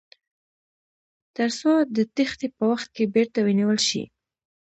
تر څو د تیښتې په وخت کې بیرته ونیول شي.